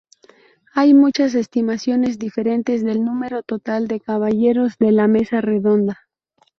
Hay muchas estimaciones diferentes del número total de caballeros de la Mesa Redonda.